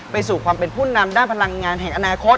สู่ความเป็นผู้นำด้านพลังงานแห่งอนาคต